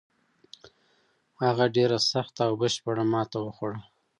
هغه ډېره سخته او بشپړه ماته وخوړه.